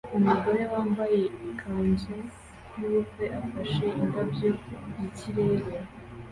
Umugore wambaye ikanzu yubukwe afashe indabyo mu kirere